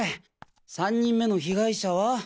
３人目の被害者は。